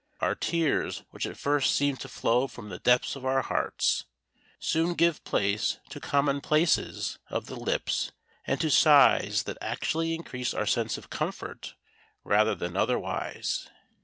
Our tears which at first seemed to flow from the depths of our hearts soon give place to commonplaces of the lips and to sighs that actually increase our sense of comfort rather than otherwise.